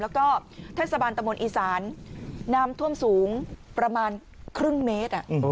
แล้วก็เทศบาลตะมนต์อีสานน้ำท่วมสูงประมาณครึ่งเมตร